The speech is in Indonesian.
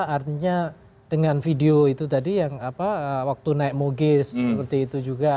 artinya dengan video itu tadi yang waktu naik mogis seperti itu juga